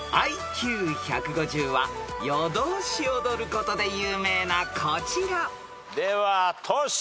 ［ＩＱ１５０は夜通し踊ることで有名なこちら］ではトシ。